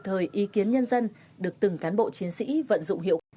thời ý kiến nhân dân được từng cán bộ chiến sĩ vận dụng hiệu quả